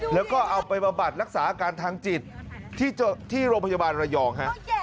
แล้วก็เอาไปบำบัดรักษาอาการทางจิตที่โรงพยาบาลระยองฮะ